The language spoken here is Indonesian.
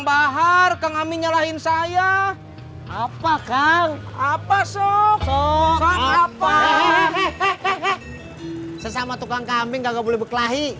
zahar kang amin nyalahin saya apa kang apa sok sok apa eh eh eh eh eh eh eh eh eh eh eh eh eh